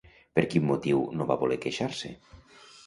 Per quin motiu no va voler queixar-se?